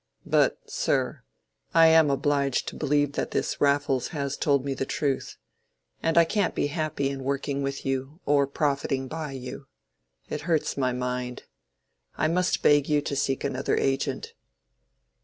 But, sir—I am obliged to believe that this Raffles has told me the truth. And I can't be happy in working with you, or profiting by you. It hurts my mind. I must beg you to seek another agent."